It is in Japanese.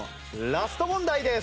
ラスト問題です。